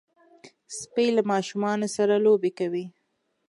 سپي له ماشومانو سره لوبې کوي.